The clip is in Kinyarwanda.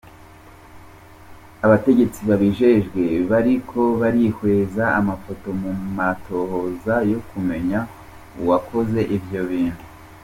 Abategetsi babijejwe bariko barihweza amafoto mu matohoza yo kumenya uwakoze ivyo bintu.